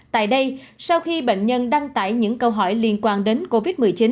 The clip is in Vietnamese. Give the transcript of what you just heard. tại đây sau khi bệnh nhân đăng tải những câu hỏi liên quan đến covid một mươi chín